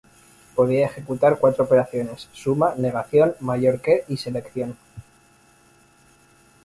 Podía ejecutar cuatro operaciones: suma, negación, mayor que y selección.